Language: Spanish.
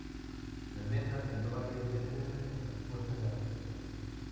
En Las Ventas salió varias veces por la puerta grande.